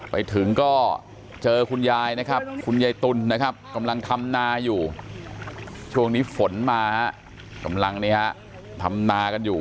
ไปถึงก็เจอคุณยายนะครับคุณยายตุ๋นนะครับกำลังทำนาอยู่ช่วงนี้ฝนมากำลังทำนากันอยู่